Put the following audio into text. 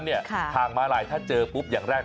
เพราะฉะนั้นทางหมาลายถ้าเจอเป้าหมดอย่างแรก